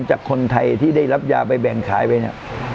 จากคนไทยที่ได้รับยาแบ่งขายไป